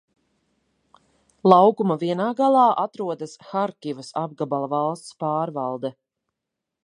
Laukuma vienā galā atrodas Harkivas apgabala valsts pārvalde.